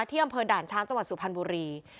ที่อำเภอดาช้าจัวรรค์สุพรรณบุรี